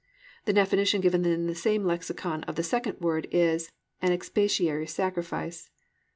The definition given in the same lexicon of the second word is "an expiatory sacrifice."